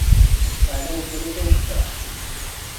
Maɛna ugin akk anect-a…